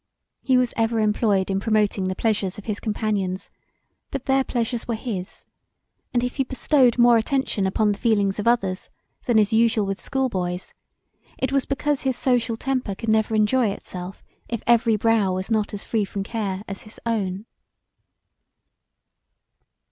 He was ever employed in promoting the pleasures of his companions but their pleasures were his; and if he bestowed more attention upon the feelings of others than is usual with schoolboys it was because his social temper could never enjoy itself if every brow was not as free from care as his own.